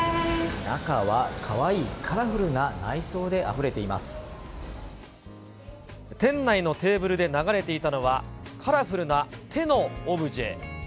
中はカワイイカラフルな内装店内のテーブルで流れていたのは、カラフルな手のオブジェ。